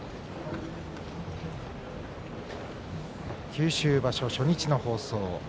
九州場所、初日の放送。